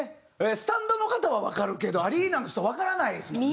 スタンドの方はわかるけどアリーナの人はわからないですもんね。